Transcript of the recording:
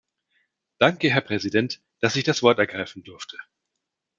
Danke, Herr Präsident, dass ich das Wort ergreifen durfte.